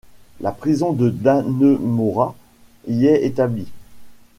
La prison de Dannemora y est établie.